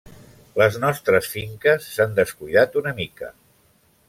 Les nostres finques s'han descuidat una mica.